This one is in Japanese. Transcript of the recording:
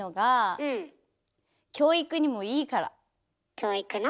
教育の？